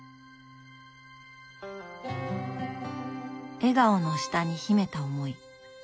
笑顔の下に秘めた思い。